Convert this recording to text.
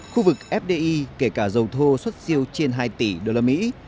khu vực fdi kể cả dầu thô xuất siêu trên hai tỷ đô la mỹ